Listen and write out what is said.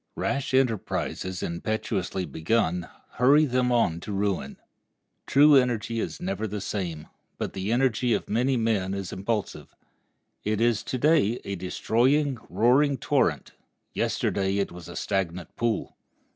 Rash enterprises impetuously begun hurry them on to ruin. True energy is ever the same; but the energy of many men is impulsive. It is to day a destroying, roaring torrent; yesterday it was a stagnant pool.